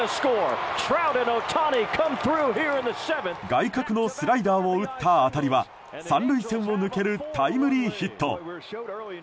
外角のスライダーを打った当たりは３塁線を抜けるタイムリーヒット。